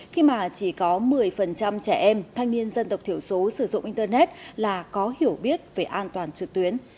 khi mà chỉ có một mươi trẻ em thanh niên dân tộc thiểu số sử dụng internet là có hiểu biết về an toàn trực tuyến